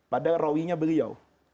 padahal rawinya beliau